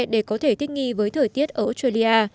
để có thể thích nghi với thời tiết ở australia